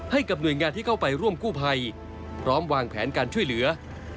ให้กับหน่วยงานที่เข้าไปร่วมกู้ภัยพร้อมวางแผนการช่วยเหลือ